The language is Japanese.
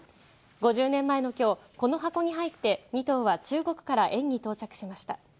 ５０年前の今日、この箱に入って２頭は中国から園に到着しました。